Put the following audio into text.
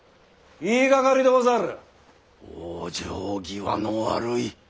往生際の悪い。